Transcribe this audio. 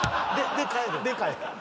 で帰る。